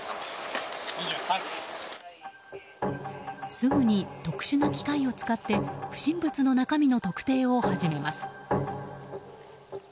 すぐに特殊な機械を使って不審物の中身の特定を始めます。